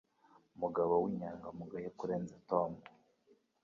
mugabo w'inyangamugayo kurenza Tom.